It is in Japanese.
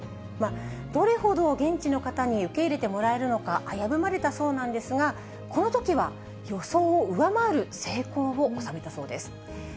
どれほど現地の方に受け入れてもらえるのか危ぶまれたそうなんですが、このときは、予想を上回る成功を収めたそうです。